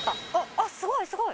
あっすごいすごい！